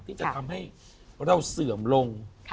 ที่จะทำให้เราเสื่อมลง